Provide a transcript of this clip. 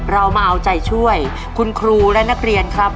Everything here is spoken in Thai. เรามาเอาใจช่วยคุณครูและนักเรียนครับ